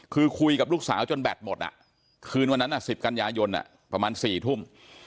คือคุยกับลูกสาวจนแบตหมดคืนวันนั้น๑๐กันยายนประมาณ๔ทุ่ม